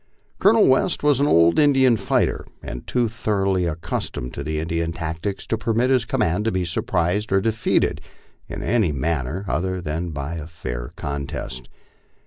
Colonel West was an old Indian fighter, and too thoroughly accustomed to Indian tactics to permit his command to be surprised or defeated in any manner other than by a fair contest.